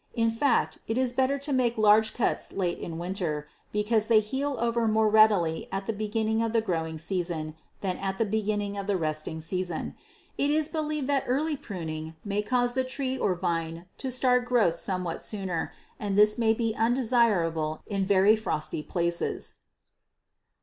In fact, it is better to make large cuts late in the winter, because they heal over more readily at the beginning of the growing period than at the beginning of the resting season. It is believed that early pruning may cause the tree or vine to start growth somewhat sooner and this may be undesirable in very frosty places.